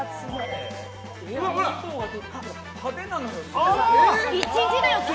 派手なのよ。